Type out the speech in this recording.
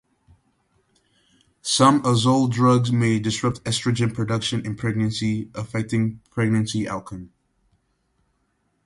Some azole drugs may disrupt estrogen production in pregnancy, affecting pregnancy outcome.